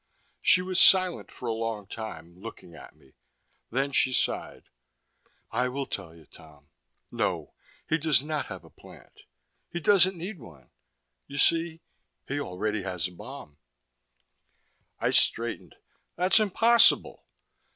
She was silent for a long time, looking at me. Then she sighed. "I will tell you, Tom. No, he does not have a plant. He doesn't need one, you see. He already has a bomb." I straightened. "That's impossible."